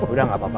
udah gak apa apa